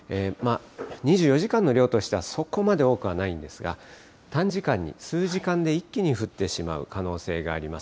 ２４時間の量としてはそこまで多くはないんですが、短時間に、数時間で一気に降ってしまう可能性があります。